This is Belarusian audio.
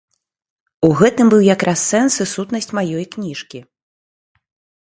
У гэтым быў якраз сэнс і сутнасць маёй кніжкі.